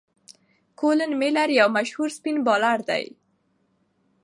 کولن میلیر یو مشهور سپېن بالر دئ.